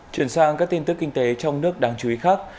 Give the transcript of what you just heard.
chuyển sang các tin tức kinh tế trong nước đáng chú ý khác